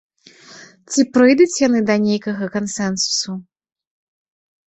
Ці прыйдуць яны да нейкага кансэнсусу?